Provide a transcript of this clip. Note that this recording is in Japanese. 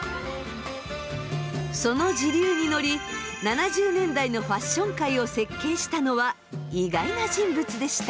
その時流に乗り７０年代のファッション界を席巻したのは意外な人物でした。